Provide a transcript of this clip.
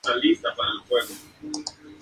Clara se refiere a ella como "página uno".